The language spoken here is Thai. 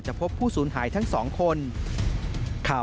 จึงไม่ได้เอดในแม่น้ำ